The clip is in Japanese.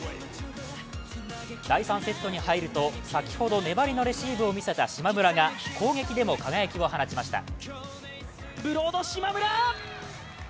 第３セットに入ると、先ほど粘りのレシーブを見せた島村が攻撃でも輝きを放ちました。